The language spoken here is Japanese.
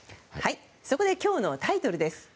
そこで今日のタイトルです。